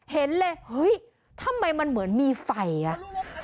เห็นเลยเฮ้ยทำไมมันเหมือนมีไฟอ่ะ